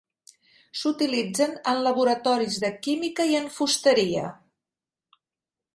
S'utilitzen en laboratoris de química i en fusteria.